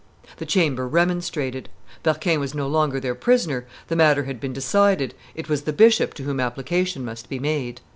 The chamber remonstrated; Berquin was no longer their prisoner; the matter had been decided; it was the bishop to whom application must be made.